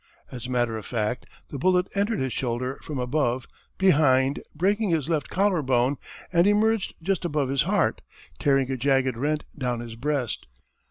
As a matter of fact, the bullet entered his shoulder from above, behind, breaking his left collarbone, and emerged just above his heart, tearing a jagged rent down his breast.